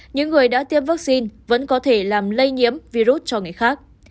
những người đã tiêm vaccine vẫn có thể làm lây nhiễm virus cho người khác